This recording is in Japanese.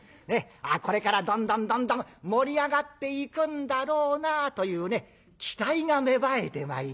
これからどんどんどんどん盛り上がっていくんだろうなというね期待が芽生えてまいります。